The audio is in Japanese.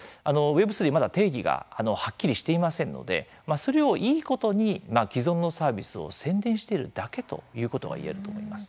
Ｗｅｂ３、まだ定義がはっきりしていませんのでそれをいいことに既存のサービスを宣伝しているだけということが言えると思います。